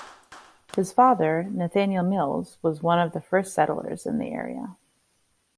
His father, Nathaniel Mills, was one of the first settlers in the area.